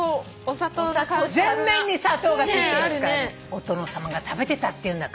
お殿様が食べてたっていうんだから。